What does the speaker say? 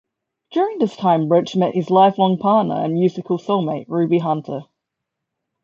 During this time Roach met his lifelong partner, and musical soulmate, Ruby Hunter.